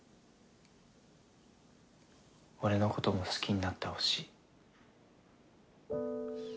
俺のことも好きになってほしい。